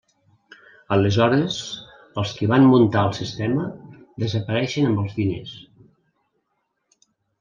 Aleshores els qui van muntar el sistema desapareixen amb els diners.